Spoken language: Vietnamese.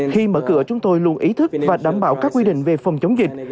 khi mở cửa chúng tôi luôn ý thức và đảm bảo các quy định về phòng chống dịch